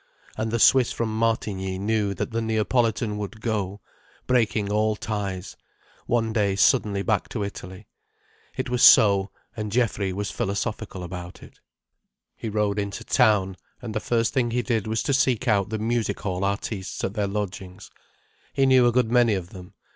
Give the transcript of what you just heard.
And the Swiss from Martigny knew that the Neapolitan would go, breaking all ties, one day suddenly back to Italy. It was so, and Geoffrey was philosophical about it. He rode into town, and the first thing he did was to seek out the music hall artistes at their lodgings. He knew a good many of them.